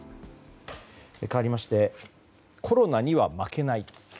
かわりましてコロナには負けない。